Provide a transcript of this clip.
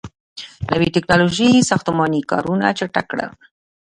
• نوي ټیکنالوژۍ ساختماني کارونه چټک کړل.